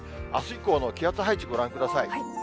あす以降の気圧配置、ご覧ください。